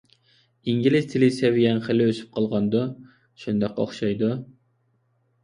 _ ئىنگلىز تىلى سەۋىيەڭ خېلى ئۆسۈپ قالغاندۇ؟ _ شۇنداق ئوخشايدۇ.